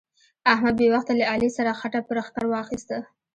احمد بې وخته له علي سره خټه پر ښکر واخيسته.